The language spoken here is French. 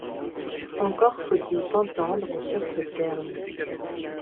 Encore faut-il s'entendre sur ce terme.